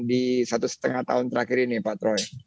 di satu setengah tahun terakhir ini pak troy